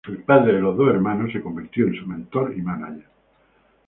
El padre de los dos hermanos se convirtió en su mentor y mánager.